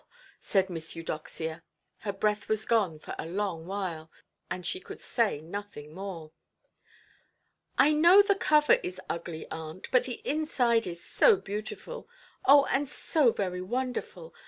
said Miss Eudoxia. Her breath was gone for a long while, and she could say nothing more. "I know the cover is ugly, aunt, but the inside is so beautiful. Oh, and so very wonderful!